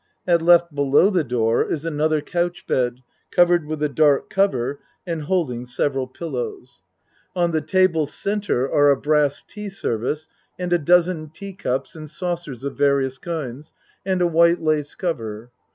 At L. below the door is another couch bed, cov ered with a dark cover, and holding several pillows. 47 48 A MAN'S WORLD On the table C. are a brass tea service and a dozen teacups and saucers of various kinds and a white lace cover.